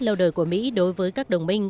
lâu đời của mỹ đối với các đồng minh